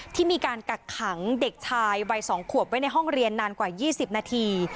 ที่มีการกักขังเด็กชายวัย๒ขวบไว้ในห้องเรียนนานกว่า๒๐นาที